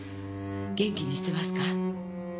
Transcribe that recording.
元気にしてますか？